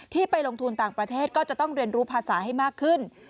ไปลงทุนต่างประเทศก็จะต้องเรียนรู้ภาษาให้มากขึ้น